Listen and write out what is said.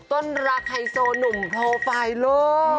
ต้นรักไฮโซหนุ่มโปรไฟล์โลก